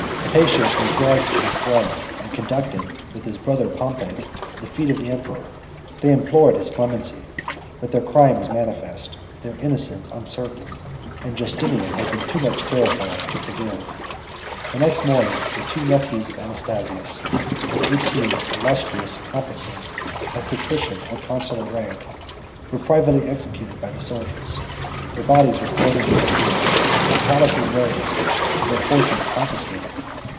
Hypatius was dragged from his throne, and conducted, with his brother Pompey, to the feet of the emperor: they implored his clemency; but their crime was manifest, their innocence uncertain, and Justinian had been too much terrified to forgive. The next morning the two nephews of Anastasius, with eighteen illustrious accomplices, of patrician or consular rank, were privately executed by the soldiers; their bodies were thrown into the sea, their palaces razed, and their fortunes confiscated.